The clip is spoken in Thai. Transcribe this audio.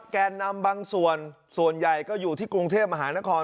แก่นำบางส่วนส่วนใหญ่ก็อยู่ที่กรุงเทพมหานคร